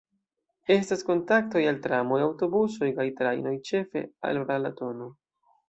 Estas kontaktoj al tramoj, aŭtobusoj kaj trajnoj ĉefe al Balatono.